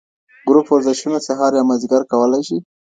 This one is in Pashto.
O ګروپ ورزشونه سهار یا مازیګر کولای شي.